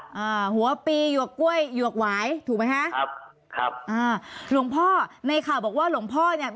อ่าหัวปีหยวกกล้วยหยวกหวายถูกไหมฮะครับครับอ่าหลวงพ่อในข่าวบอกว่าหลวงพ่อเนี้ย